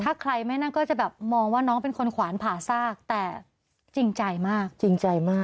ถ้าใครไม่นั่งก็จะแบบมองว่าน้องเป็นคนขวานผ่าซากแต่จริงใจมากจริงใจมาก